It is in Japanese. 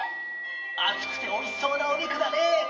厚くておいしそうなお肉だね！